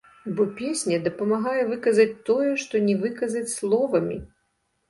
Бо песня дапамагае выказаць тое, што не выказаць словамі.